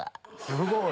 すごい！